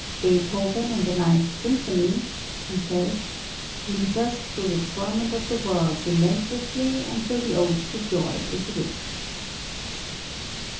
"Beethoven in the Ninth Symphony," he says, "leads us through the torment of the world relentlessly until the ode to joy is reached."